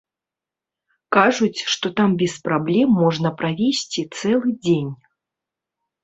Кажуць, што там без праблем можна правесці цэлы дзень.